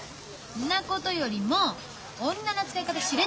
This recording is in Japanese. んなことよりも女の扱い方知れってえの。